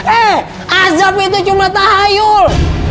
eh azab itu cuma tahayul